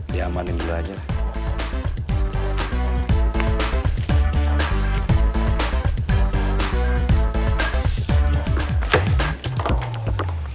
diamanin dulu aja lah